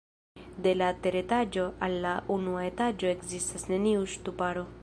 De la teretaĝo al la unua etaĝo ekzistas neniu ŝtuparo.